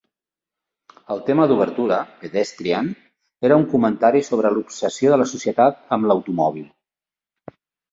El tema d'obertura, "Pedestrian", era un comentari sobre l'obsessió de la societat amb l'automòbil.